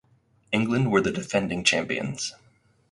England were the defending champions.